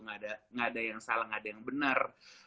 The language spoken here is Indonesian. gak ada yang salah gak ada yang benar